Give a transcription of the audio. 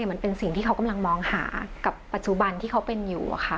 มันเป็นสิ่งที่เขากำลังมองหากับปัจจุบันที่เขาเป็นอยู่